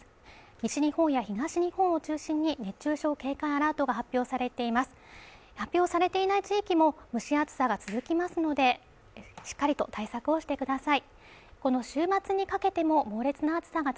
西日本や東日本を中心に熱中症警戒アラートが発表されています発表されていない地域も蒸し暑さが続きますのでしっかりと対策をしてください